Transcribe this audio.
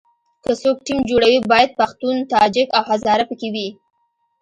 که څوک ټیم جوړوي باید پښتون، تاجک او هزاره په کې وي.